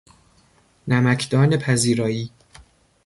نمکدان پذیرایی